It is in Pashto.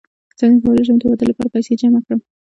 څنګه کولی شم د واده لپاره پیسې جمع کړم